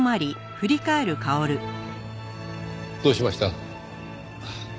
どうしました？